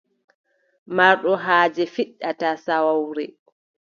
Marɗo haaje fiɗɗata saawawre.